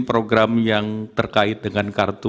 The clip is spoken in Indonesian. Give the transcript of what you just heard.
program yang terkait dengan kartu